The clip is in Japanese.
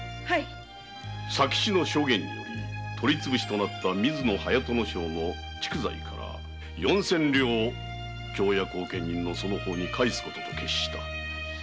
佐吉の証言により取りつぶしとなった水野隼人正の蓄財から四千両を京屋後継人のその方に返す事に決した。